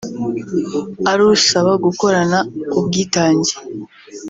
arusaba gukorana ubwitange